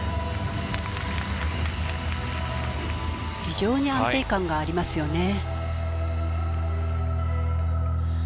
非常に安定感がありますよね。